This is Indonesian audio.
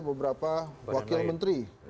beberapa wakil menteri